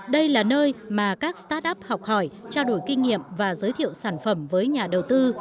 đây là nơi mà các start up học hỏi trao đổi kinh nghiệm và giới thiệu sản phẩm với nhà đầu tư